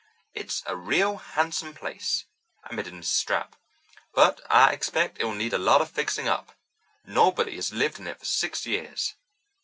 "It's a real handsome place," admitted Mrs. Stapp, "but I expect it will need a lot of fixing up. Nobody has lived in it for six years.